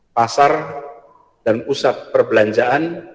pasar dan pusat perbelanjaan